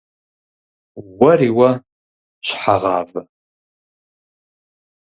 - Уэри уэ, щхьэгъавэ!